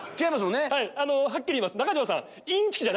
はっきり言います。